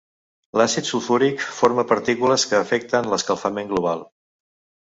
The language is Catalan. L'àcid sulfúric forma partícules que afecten l'escalfament global.